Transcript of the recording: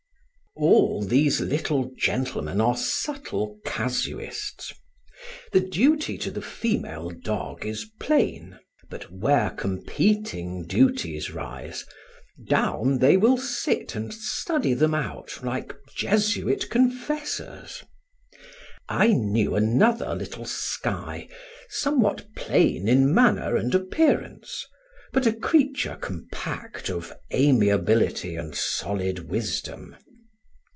All these little gentlemen are subtle casuists. The duty to the female dog is plain; but where competing duties rise, down they will sit and study them out like Jesuit confessors. I knew another little Skye, somewhat plain in manner and appearance, but a creature compact of amiability and solid wisdom.